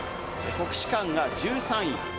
国士舘が１３位。